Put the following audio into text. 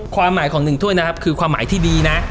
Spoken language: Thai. ความหมายของ๑ถ้วยนะครับคือความหมายที่ดีนะ